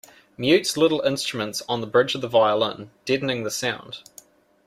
Mutes little instruments on the bridge of the violin, deadening the sound.